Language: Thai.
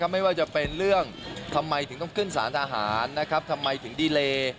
ไม่ว่าจะเป็นเรื่องทำไมถึงต้องขึ้นสารทหารนะครับทำไมถึงดีเล